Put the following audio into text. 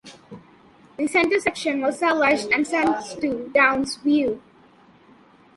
The centre section was salvaged and sent to Downsview.